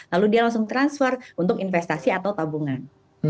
lalu dia langsung transfer untuk investasi atau tabungan